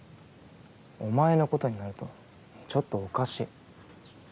お前のことになるとちょっとおかしい。